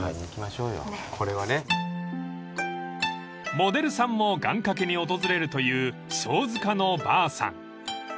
［モデルさんも願掛けに訪れるというしょうづかの婆さん］